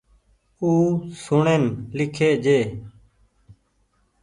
سون ڙين لکي جي۔